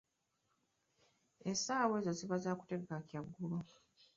Essaawa ezo ziba za kutegeka kya ggulo.